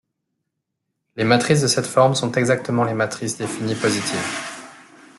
Les matrices de cette forme sont exactement les matrices définies positives.